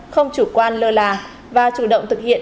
không chủ quan lơ là và chủ động thực hiện